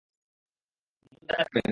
যা মন চায় পাবেন।